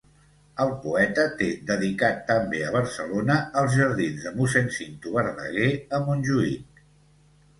El poeta té dedicat també a Barcelona els jardins de Mossèn Cinto Verdaguer, a Montjuïc.